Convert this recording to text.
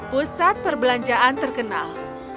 pusat perbelanjaan terkenal